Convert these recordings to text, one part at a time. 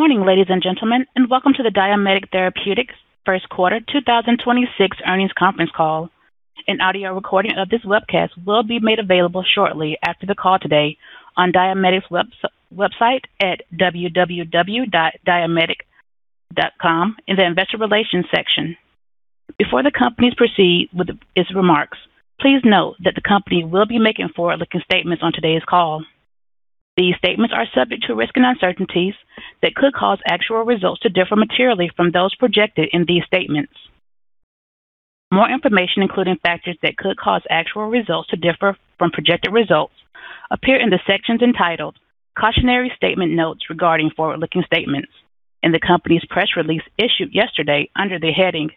Good morning, ladies and gentlemen, and welcome to the DiaMedica Therapeutics first quarter 2026 earnings conference call. An audio recording of this webcast will be made available shortly after the call today on DiaMedica's website at www.diamedica.com in the Investor Relations section. Before the company proceeds with its remarks, please note that the company will be making forward-looking statements on today's call. These statements are subject to risks and uncertainties that could cause actual results to differ materially from those projected in these statements. More information, including factors that could cause actual results to differ from projected results, appear in the sections entitled Cautionary Statement Notes regarding forward-looking statements in the company's press release issued yesterday under the heading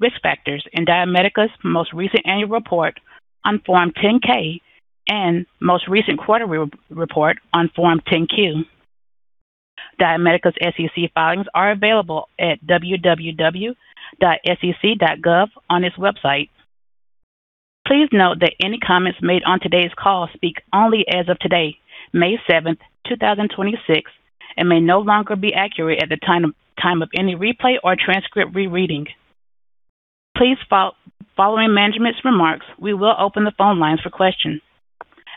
Risk Factors in DiaMedica's most recent annual report on Form 10-K and most recent quarterly report on Form 10-Q. DiaMedica's SEC filings are available at www.sec.gov on its website. Please note that any comments made on today's call speak only as of today, May 7th, 2026, and may no longer be accurate at the time of any replay or transcript rereading. Following management's remarks, we will open the phone lines for questions.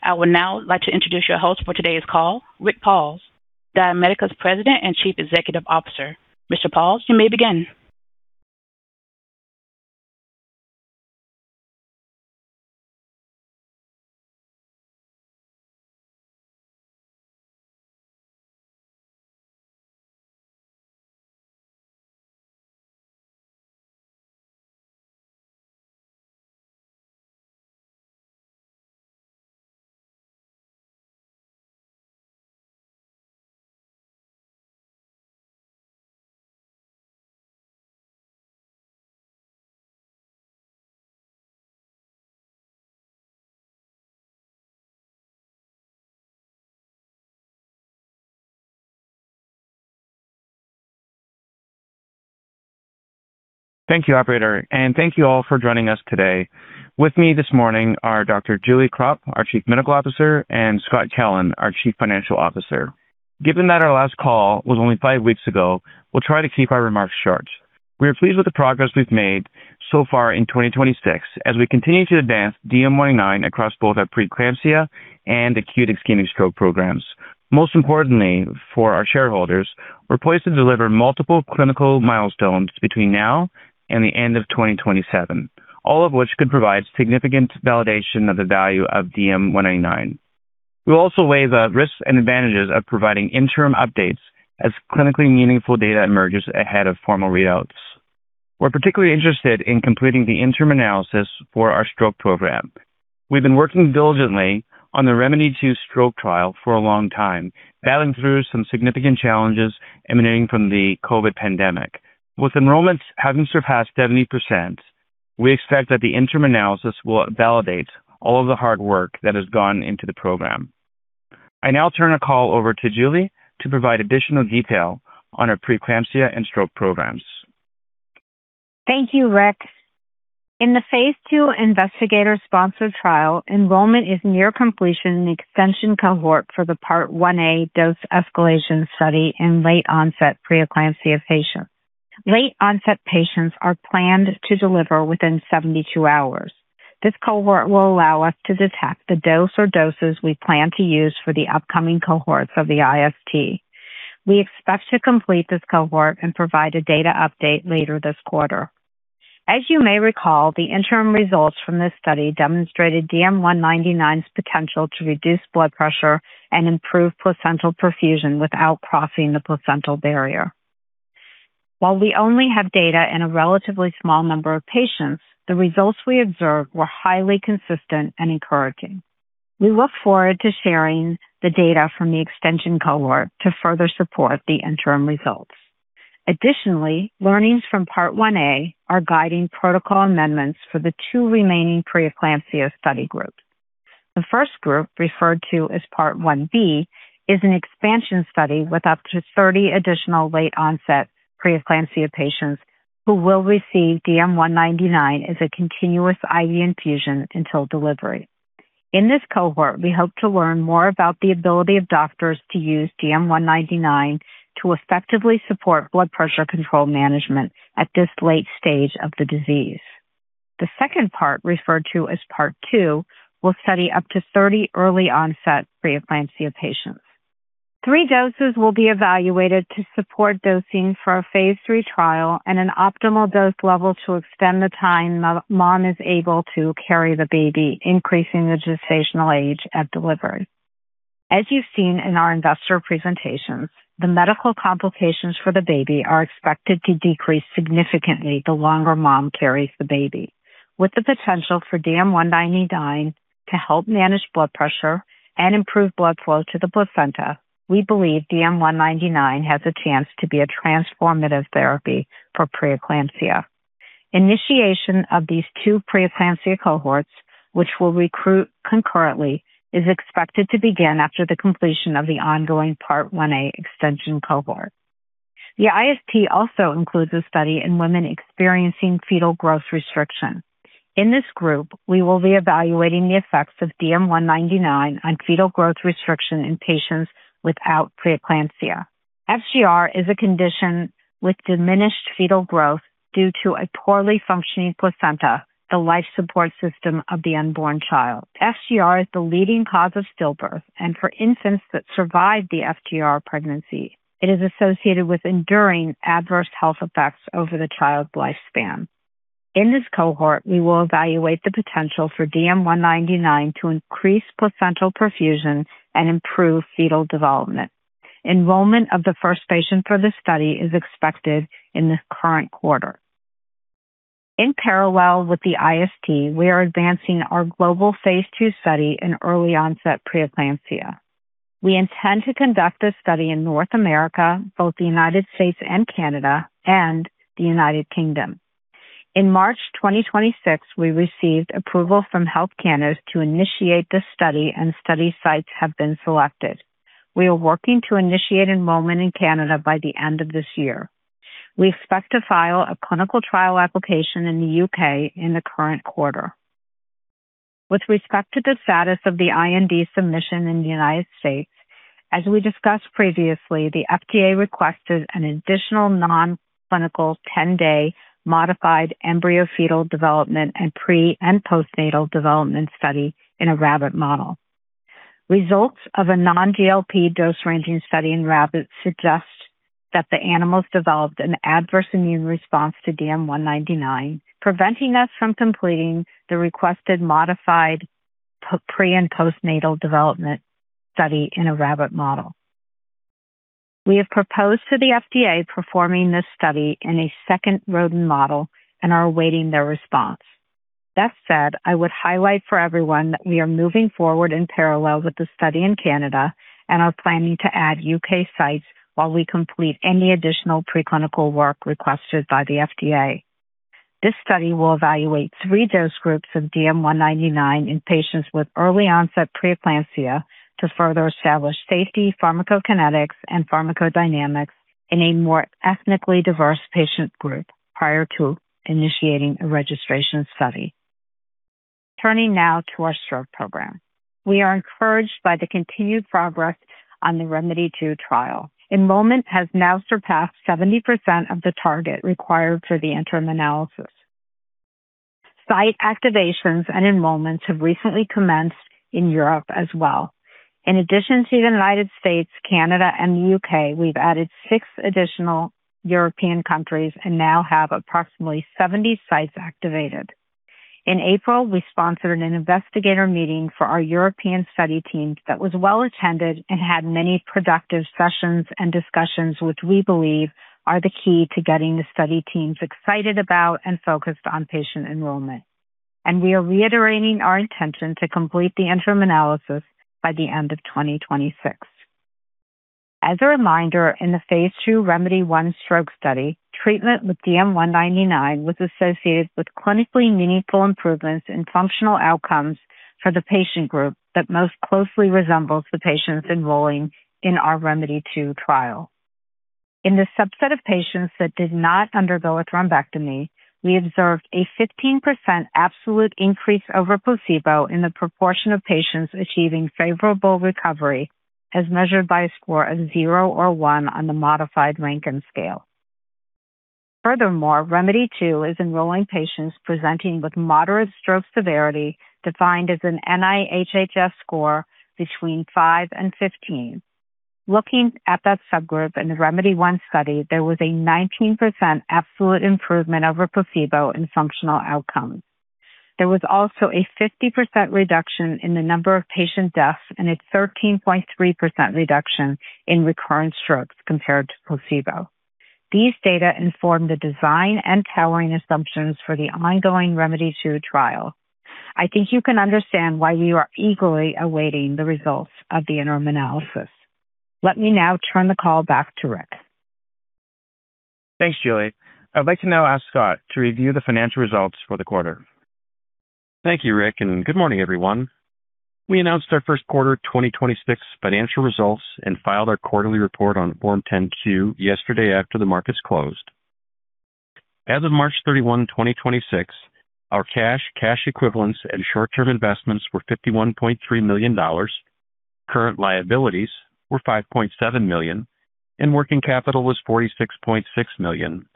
I would now like to introduce your host for today's call, Rick Pauls, DiaMedica's President and Chief Executive Officer. Mr. Pauls, you may begin. Thank you, operator, and thank you all for joining us today. With me this morning are Dr. Julie Krop, our Chief Medical Officer, and Scott Kellen, our Chief Financial Officer. Given that our last call was only five weeks ago, we'll try to keep our remarks short. We are pleased with the progress we've made so far in 2026 as we continue to advance DM199 across both our preeclampsia and acute ischemic stroke programs. Most importantly for our shareholders, we're poised to deliver multiple clinical milestones between now and the end of 2027, all of which could provide significant validation of the value of DM199. We'll also weigh the risks and advantages of providing interim updates as clinically meaningful data emerges ahead of formal readouts. We're particularly interested in completing the interim analysis for our stroke program. We've been working diligently on the ReMEDy2 stroke trial for a long time, battling through some significant challenges emanating from the COVID pandemic. With enrollments having surpassed 70%, we expect that the interim analysis will validate all of the hard work that has gone into the program. I now turn the call over to Julie to provide additional detail on our preeclampsia and stroke programs. Thank you, Rick. In the phase II investigator-sponsored trial, enrollment is near completion in the extension cohort for the Part 1a dose escalation study in late-onset preeclampsia patients. Late-onset patients are planned to deliver within 72 hours. This cohort will allow us to detect the dose or doses we plan to use for the upcoming cohorts of the IST. We expect to complete this cohort and provide a data update later this quarter. As you may recall, the interim results from this study demonstrated DM199's potential to reduce blood pressure and improve placental perfusion without crossing the placental barrier. While we only have data in a relatively small number of patients, the results we observed were highly consistent and encouraging. We look forward to sharing the data from the extension cohort to further support the interim results. Additionally, learnings from Part 1a are guiding protocol amendments for the two remaining preeclampsia study groups. The first group, referred to as Part 1b, is an expansion study with up to 30 additional late-onset preeclampsia patients who will receive DM199 as a continuous IV infusion until delivery. In this cohort, we hope to learn more about the ability of doctors to use DM199 to effectively support blood pressure control management at this late stage of the disease. The second part, referred to as Part 2, will study up to 30 early-onset preeclampsia patients. Three doses will be evaluated to support dosing for a phase III trial and an optimal dose level to extend the time mom is able to carry the baby, increasing the gestational age at delivery. As you've seen in our investor presentations, the medical complications for the baby are expected to decrease significantly the longer mom carries the baby. With the potential for DM199 to help manage blood pressure and improve blood flow to the placenta, we believe DM199 has a chance to be a transformative therapy for preeclampsia. Initiation of these two preeclampsia cohorts, which we'll recruit concurrently, is expected to begin after the completion of the ongoing Part 1a extension cohort. The IST also includes a study in women experiencing fetal growth restriction. In this group, we will be evaluating the effects of DM199 on fetal growth restriction in patients without preeclampsia. FGR is a condition with diminished fetal growth due to a poorly functioning placenta, the life support system of the unborn child. FGR is the leading cause of stillbirth, and for infants that survive the FGR pregnancy, it is associated with enduring adverse health effects over the child's lifespan. In this cohort, we will evaluate the potential for DM199 to increase placental perfusion and improve fetal development. Enrollment of the first patient for this study is expected in this current quarter. In parallel with the IST, we are advancing our global phase II study in early-onset preeclampsia. We intend to conduct this study in North America, both the United States and Canada, and the United Kingdom. In March 2026, we received approval from Health Canada to initiate this study, and study sites have been selected. We are working to initiate enrollment in Canada by the end of this year. We expect to file a clinical trial application in the U.K. in the current quarter. With respect to the status of the IND submission in the United States, as we discussed previously, the FDA requested an additional non-clinical 10-day modified embryo-fetal development and pre and postnatal development study in a rabbit model. Results of a non-GLP dose-ranging study in rabbits suggest that the animals developed an adverse immune response to DM199, preventing us from completing the requested modified pre and postnatal development study in a rabbit model. We have proposed to the FDA performing this study in a second rodent model and are awaiting their response. That said, I would highlight for everyone that we are moving forward in parallel with the study in Canada and are planning to add U.K. sites while we complete any additional preclinical work requested by the FDA. This study will evaluate three dose groups of DM199 in patients with early-onset preeclampsia to further establish safety, pharmacokinetics, and pharmacodynamics in a more ethnically diverse patient group prior to initiating a registration study. Turning now to our stroke program. We are encouraged by the continued progress on the ReMEDy2 trial. Enrollment has now surpassed 70% of the target required for the interim analysis. Site activations and enrollments have recently commenced in Europe as well. In addition to the United States, Canada, and the U.K., we've added six additional European countries and now have approximately 70 sites activated. In April, we sponsored an investigator meeting for our European study teams that was well-attended and had many productive sessions and discussions, which we believe are the key to getting the study teams excited about and focused on patient enrollment. We are reiterating our intention to complete the interim analysis by the end of 2026. As a reminder, in the phase II ReMEDy1 stroke study, treatment with DM199 was associated with clinically meaningful improvements in functional outcomes for the patient group that most closely resembles the patients enrolling in our ReMEDy2 trial. In the subset of patients that did not undergo a thrombectomy, we observed a 15% absolute increase over placebo in the proportion of patients achieving favorable recovery, as measured by a score of zero or one on the modified Rankin Scale. Furthermore, ReMEDy2 is enrolling patients presenting with moderate stroke severity, defined as an NIHSS score between five and 15. Looking at that subgroup in the ReMEDy1 study, there was a 19% absolute improvement over placebo in functional outcomes. There was also a 50% reduction in the number of patient deaths and a 13.3% reduction in recurrent strokes compared to placebo. These data inform the design and powering assumptions for the ongoing ReMEDy2 trial. I think you can understand why we are eagerly awaiting the results of the interim analysis. Let me now turn the call back to Rick. Thanks, Julie. I'd like to now ask Scott to review the financial results for the quarter. Thank you, Rick, good morning, everyone. We announced our first quarter 2026 financial results and filed our quarterly report on Form 10-Q yesterday after the markets closed. As of March 31, 2026, our cash equivalents, and short-term investments were $51.3 million. Current liabilities were $5.7 million, and working capital was $46.6 million,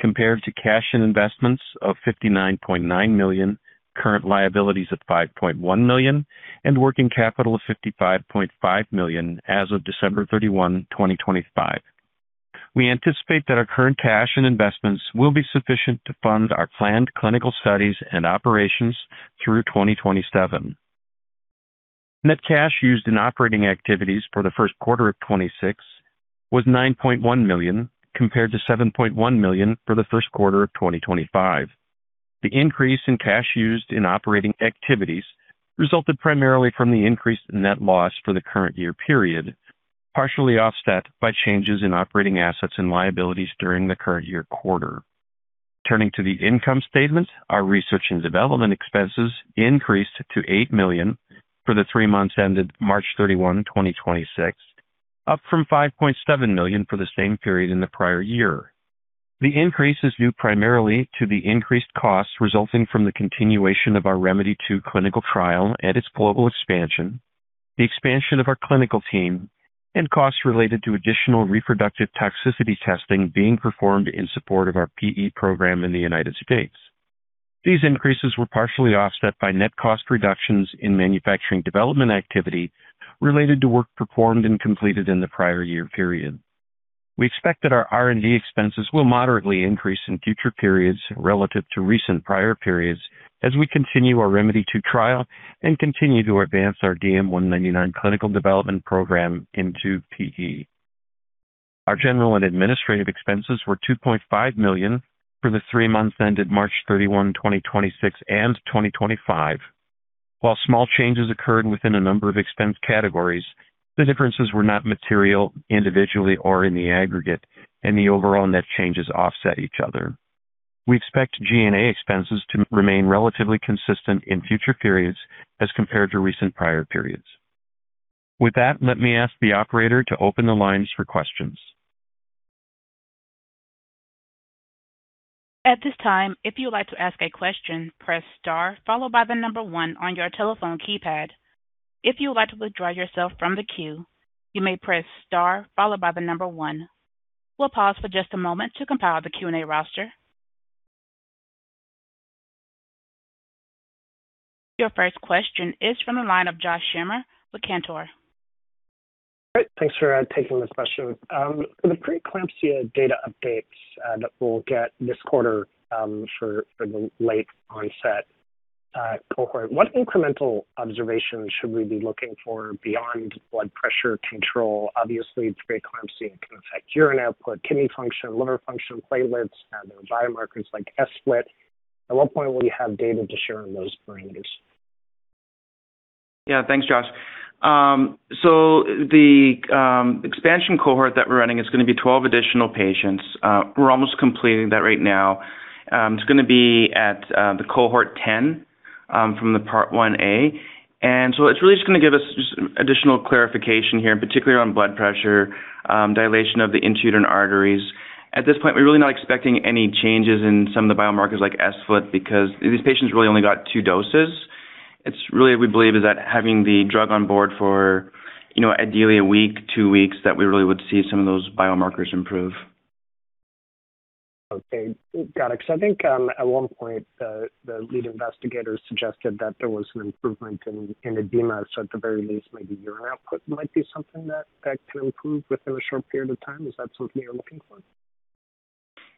compared to cash and investments of $59.9 million, current liabilities of $5.1 million, and working capital of $55.5 million as of December 31, 2025. We anticipate that our current cash and investments will be sufficient to fund our planned clinical studies and operations through 2027. Net cash used in operating activities for the first quarter of 2026 was $9.1 million, compared to $7.1 million for the first quarter of 2025. The increase in cash used in operating activities resulted primarily from the increased net loss for the current year period, partially offset by changes in operating assets and liabilities during the current year quarter. Turning to the income statement, our research and development expenses increased to $8 million for the three months ended March 31, 2026. Up from $5.7 million for the same period in the prior year. The increase is due primarily to the increased costs resulting from the continuation of our ReMEDy2 clinical trial and its global expansion, the expansion of our clinical team, and costs related to additional reproductive toxicity testing being performed in support of our PE program in the United States. These increases were partially offset by net cost reductions in manufacturing development activity related to work performed and completed in the prior year period. We expect that our R&D expenses will moderately increase in future periods relative to recent prior periods as we continue our ReMEDy2 trial and continue to advance our DM199 clinical development program into PE. Our general and administrative expenses were $2.5 million for the three months ended March 31, 2026 and 2025. While small changes occurred within a number of expense categories, the differences were not material individually or in the aggregate, and the overall net changes offset each other. We expect G&A expenses to remain relatively consistent in future periods as compared to recent prior periods. With that, let me ask the operator to open the lines for questions. At this time, if you would like to ask a question, press star followed by the number one on your telephone keypad. If you would like to withdraw your self from the queue, you may press star followed by the number one. We'll pause for just a moment to compile the Q&A roster. Your first question is from the line of Josh Schimmer with Cantor. Great. Thanks for taking this question. For the preeclampsia data updates that we'll get this quarter, for the late-onset cohort, what incremental observations should we be looking for beyond blood pressure control? Obviously, preeclampsia can affect urine output, kidney function, liver function, platelets. There are biomarkers like sFlt. At what point will you have data to share on those parameters? Yeah. Thanks, Josh. The expansion cohort that we're running is gonna be 12 additional patients. We're almost completing that right now. It's gonna be at the cohort 10 from the Part 1a. It's really just gonna give us just additional clarification here, particularly on blood pressure, dilation of the uterine arteries. At this point, we're really not expecting any changes in some of the biomarkers like sFlt because these patients really only got two doses. It's really, we believe, is that having the drug on board for, you know, ideally a week, two weeks, that we really would see some of those biomarkers improve. Okay. Got it. I think at one point, the lead investigator suggested that there was an improvement in edema. At the very least, maybe urine output might be something that can improve within a short period of time. Is that something you're looking for?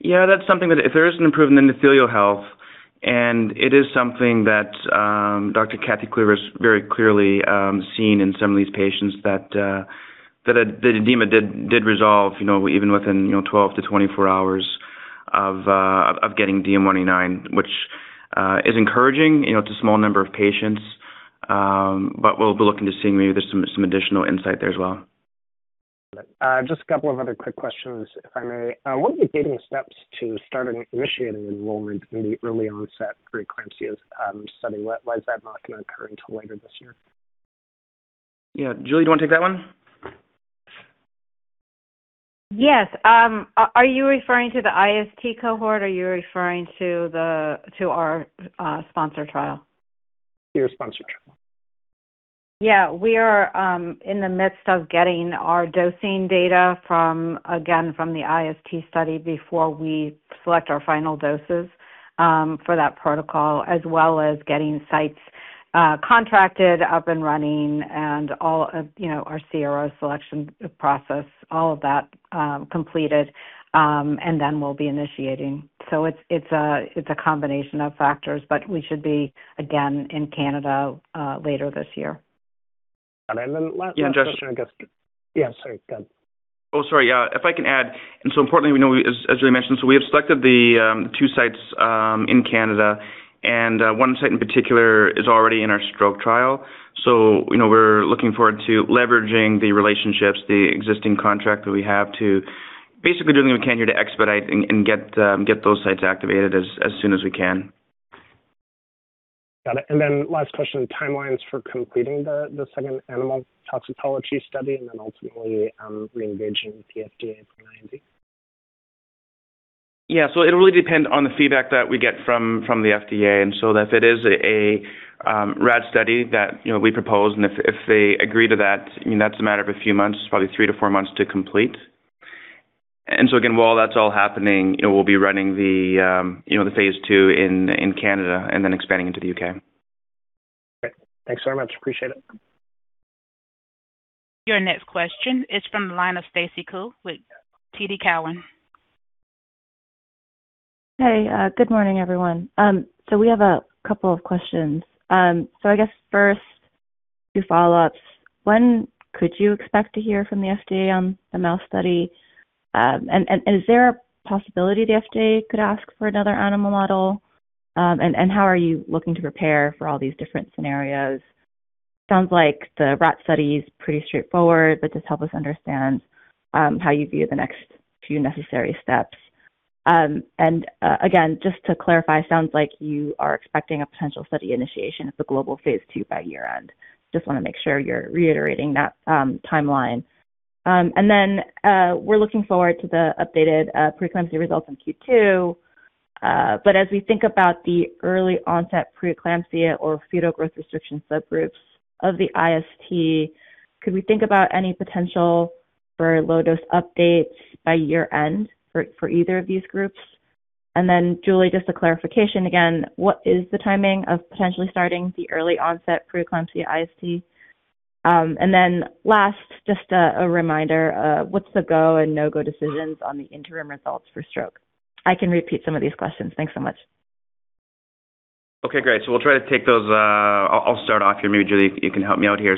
That's something that if there is an improvement in the endothelial health, and it is something that Dr. Cathy Cluver has very clearly seen in some of these patients that the edema did resolve, you know, even within, you know, 12 to 24 hours of getting DM199, which is encouraging. You know, it's a small number of patients, but we'll be looking to see maybe there's some additional insight there as well. Just a couple of other quick questions, if I may. What are the gating steps to start initiating enrollment in the early-onset preeclampsia study? Why is that not going to occur until later this year? Yeah. Julie, do you want to take that one? Yes. Are you referring to the IST cohort? Or are you referring to our sponsor trial? To your sponsor trial. Yeah. We are in the midst of getting our dosing data from, again, from the IST study before we select our final doses for that protocol, as well as getting sites contracted, up and running and all of, you know, our CRO selection process, all of that completed, and then we'll be initiating. It's a combination of factors, but we should be, again, in Canada later this year. Last question, I guess. Yeah, Josh. Yeah, sorry. Go ahead. Oh, sorry. Yeah, if I can add. Importantly, we know as Julie mentioned, we have selected the two sites in Canada, and one site in particular is already in our stroke trial. You know, we're looking forward to leveraging the relationships, the existing contract that we have to basically do what we can here to expedite and get those sites activated as soon as we can. Got it. Last question, timelines for completing the second animal toxicology study and then ultimately reengaging with the FDA for an IND. Yeah. It really depends on the feedback that we get from the FDA. If it is a rat study that, you know, we propose and if they agree to that, I mean, that's a matter of a few months. It's probably three to four months to complete. Again, while that's all happening, you know, we'll be running the, you know, the phase II in Canada and then expanding into the U.K. Great. Thanks so much. Appreciate it. Your next question is from the line of Stacy Ku with TD Cowen. Hey. Good morning, everyone. We have a couple of questions. I guess first, two follow-ups. When could you expect to hear from the FDA on the mouse study? Is there a possibility the FDA could ask for another animal model? How are you looking to prepare for all these different scenarios? Sounds like the rat study is pretty straightforward, but just help us understand how you view the next few necessary steps. Again, just to clarify, sounds like you are expecting a potential study initiation of the global phase II by year-end. Just wanna make sure you're reiterating that timeline. We're looking forward to the updated preeclampsia results in Q2. As we think about the early onset preeclampsia or fetal growth restriction subgroups of the IST, could we think about any potential for low dose updates by year-end for either of these groups? Julie, just a clarification again, what is the timing of potentially starting the early onset preeclampsia IST? Last, just a reminder, what's the go and no-go decisions on the interim results for stroke? I can repeat some of these questions. Thanks so much. Okay, great. We'll try to take those. I'll start off here. Maybe Julie you can help me out here.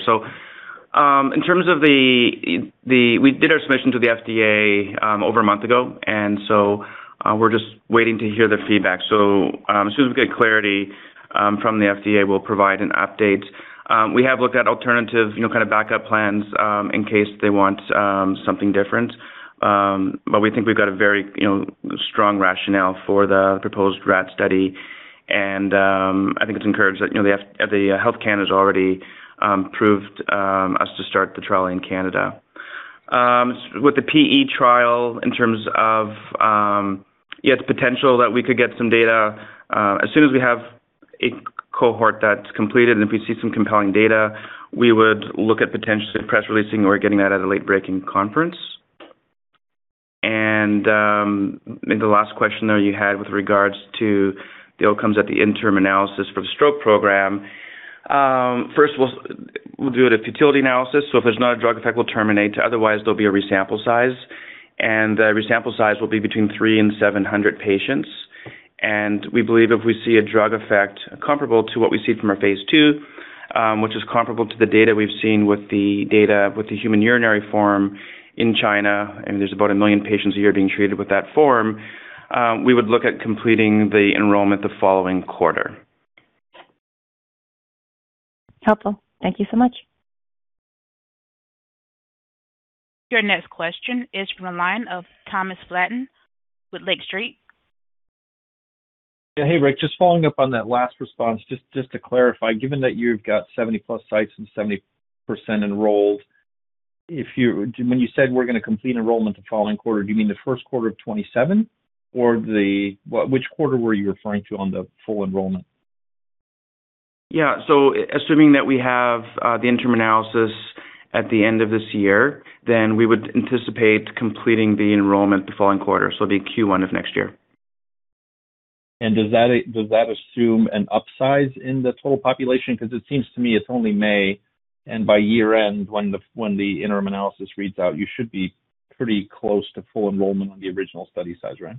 We did our submission to the FDA over a month ago and we're just waiting to hear their feedback. As soon as we get clarity from the FDA we'll provide an update. We have looked at alternative you know kind of backup plans in case they want something different. We think we've got a very you know strong rationale for the proposed rat study. I think it's encouraged that you know Health Canada's already approved us to start the trial in Canada. With the PE trial in terms of, yeah, it's potential that we could get some data, as soon as we have a cohort that's completed and if we see some compelling data, we would look at potentially press releasing or getting that at a late-breaking conference. The last question there you had with regards to the outcomes at the interim analysis for the stroke program. First we'll do a futility analysis, so if there's not a drug effect, we'll terminate. Otherwise, there'll be a resample size, and the resample size will be between three and 700 patients. We believe if we see a drug effect comparable to what we see from our phase II, which is comparable to the data we've seen with the data with the human urinary form in China, and there's about 1 million patients a year being treated with that form, we would look at completing the enrollment the following quarter. Helpful. Thank you so much. Your next question is from the line of Thomas Flaten with Lake Street. Hey, Rick. Just to clarify, given that you've got 70+ sites and 70% enrolled, when you said we're gonna complete enrollment the following quarter, do you mean the first quarter of 2027 or which quarter were you referring to on the full enrollment? Yeah. Assuming that we have the interim analysis at the end of this year, we would anticipate completing the enrollment the following quarter. The Q1 of next year. Does that assume an upsize in the total population? 'Cause it seems to me it's only May, and by year end when the interim analysis reads out, you should be pretty close to full enrollment on the original study size, right?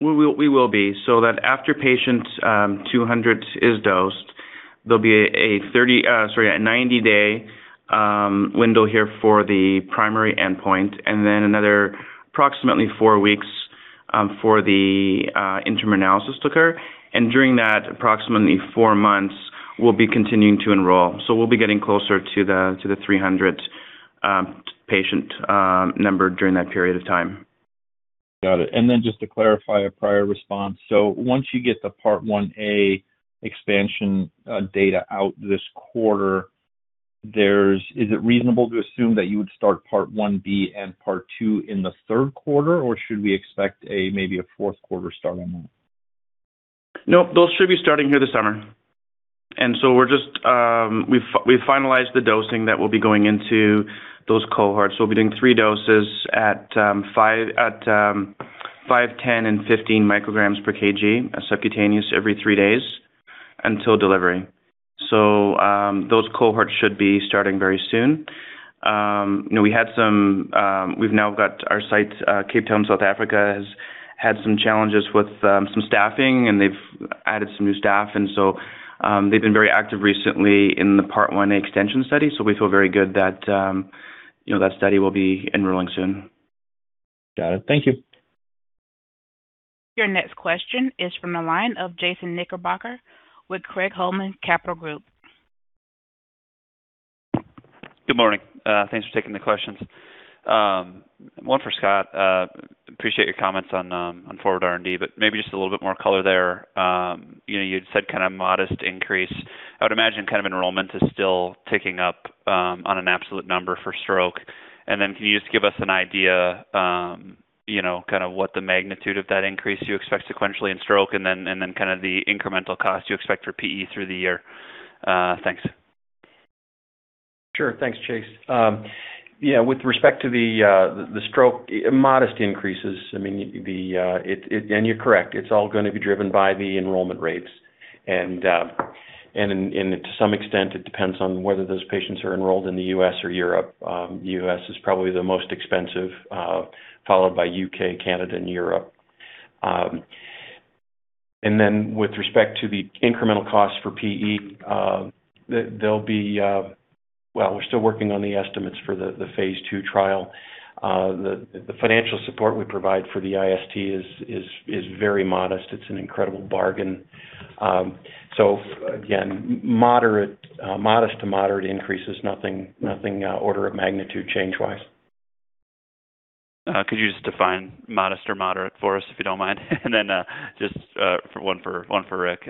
We will be. That after patient 200 is dosed, there'll be a 30, sorry, a 90-day window here for the primary endpoint and then another approximately four weeks for the interim analysis to occur. During that approximately four months, we'll be continuing to enroll. We'll be getting closer to the 300 patient number during that period of time. Got it. Just to clarify a prior response. Once you get the Part 1a expansion data out this quarter, is it reasonable to assume that you would start Part 1b and Part 2 in the third quarter or should we expect a maybe a fourth quarter start on that? Nope, those should be starting here this summer. We're just, we've finalized the dosing that will be going into those cohorts. We'll be doing three doses at 5 mcg/kg, 10 mcg/kg, and 15 mcg/kg, a subcutaneous every three days until delivery. Those cohorts should be starting very soon. You know, we had some, we've now got our site, Cape Town, South Africa, has had some challenges with some staffing, and they've added some new staff. They've been very active recently in the Part 1a extension study. We feel very good that, you know, that study will be enrolling soon. Got it. Thank you. Your next question is from the line of Chase Knickerbocker with Craig-Hallum Capital Group. Good morning. Thanks for taking the questions. One for Scott. Appreciate your comments on forward R&D, maybe just a little bit more color there. You know, you'd said kind of modest increase. I would imagine kind of enrollment is still ticking up on an absolute number for stroke. Can you just give us an idea, you know, kind of what the magnitude of that increase you expect sequentially in stroke and then kind of the incremental cost you expect for PE through the year? Thanks. Sure. Thanks, Chase. With respect to the stroke, modest increases. I mean, and you're correct, it's all gonna be driven by the enrollment rates. To some extent, it depends on whether those patients are enrolled in the U.S. or Europe. U.S. is probably the most expensive, followed by U.K., Canada, and Europe. With respect to the incremental cost for PE, they'll be, well, we're still working on the estimates for the phase II trial. The financial support we provide for the IST is very modest. It's an incredible bargain. Again, moderate, modest to moderate increases, nothing, order of magnitude change-wise. Could you just define modest or moderate for us, if you don't mind? Just one for Rick.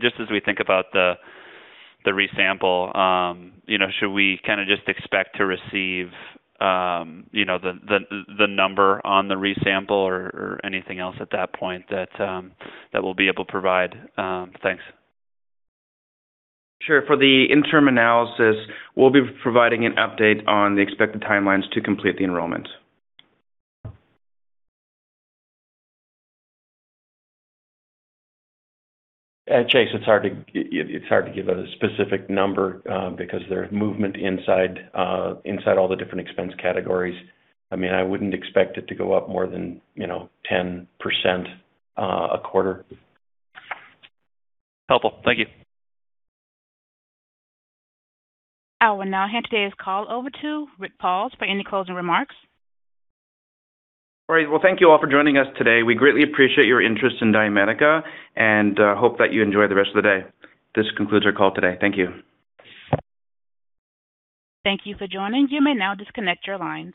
Just as we think about the resample, you know, should we kind of just expect to receive, you know, the number on the resample or anything else at that point that we'll be able to provide? Thanks. Sure. For the interim analysis, we'll be providing an update on the expected timelines to complete the enrollment. Chase, it's hard to give a specific number, because there's movement inside all the different expense categories. I mean, I wouldn't expect it to go up more than, you know, 10%, a quarter. Helpful. Thank you. I will now hand today's call over to Rick Pauls for any closing remarks. All right. Well, thank you all for joining us today. We greatly appreciate your interest in DiaMedica and hope that you enjoy the rest of the day. This concludes our call today. Thank you. Thank you for joining. You may now disconnect your lines.